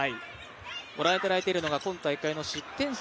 ご覧いただいているのが、今大会の失点数。